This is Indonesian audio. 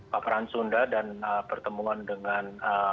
paparan sunda dan pertemuan dengan